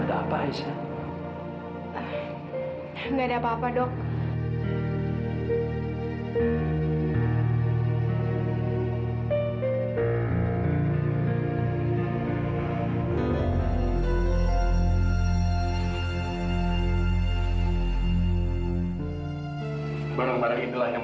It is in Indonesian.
ada apa aisyah